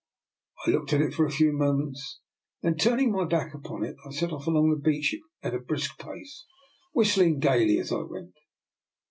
I looked at it for a few moments, and then, turning my back upon it, I set off along the beach at a brisk pace, whist ling gaily as I went.